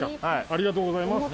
ありがとうございます。